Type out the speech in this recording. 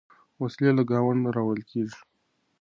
وسلې له ګاونډه راوړل کېږي.